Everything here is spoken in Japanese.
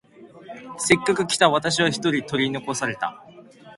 せっかく来た私は一人取り残された。